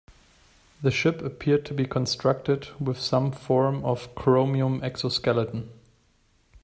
The ship appeared to be constructed with some form of chromium exoskeleton.